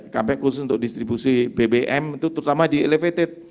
sampai khusus untuk distribusi bbm itu terutama di elevated